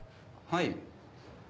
はい。